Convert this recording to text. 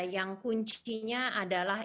yang kuncinya adalah